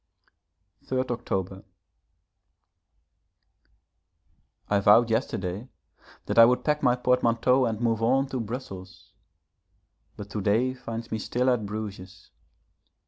3rd October. I vowed yesterday that I would pack my portmanteau and move on to Brussels, but to day finds me still at Bruges.